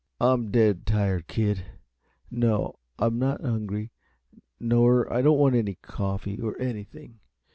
"I'm dead tired, kid. No, I'm not hungry, nor I don't want any coffee, or anything.